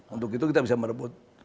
untuk itu kita bisa merebut